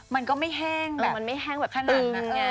มันก็ไม่แห้งแบบตึง